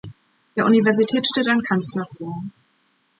Der Universität steht ein Kanzler vor.